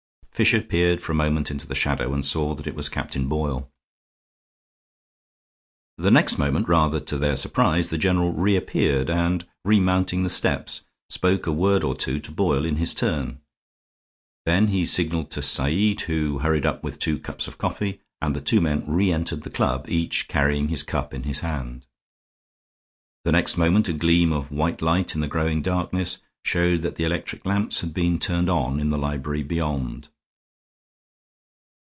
Fisher peered for a moment into the shadow, and saw that it was Captain Boyle. The next moment, rather to their surprise, the general reappeared and, remounting the steps, spoke a word or two to Boyle in his turn. Then he signaled to Said, who hurried up with two cups of coffee, and the two men re entered the club, each carrying his cup in his hand. The next moment a gleam of white light in the growing darkness showed that the electric lamps had been turned on in the library beyond.